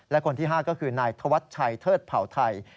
และคนที่๕ก็คือนายธวัชชัยเทิดเผ่าไทย